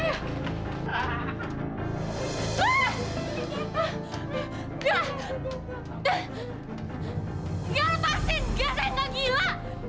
ya lepasin gak gila